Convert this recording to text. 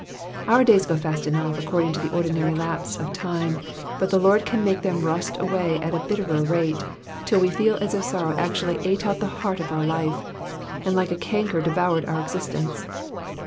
Our days go fiist enough according to the ordinary lapse of time, but the Lord can make them rust away at a bitterer rate, till wc feel as if sorrow actually ate out the heart of our life, and like a canker devoured our existence.